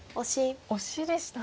オシでしたね。